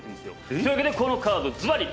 というわけでこのカードずばり。